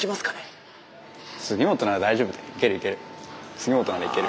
杉本ならいける。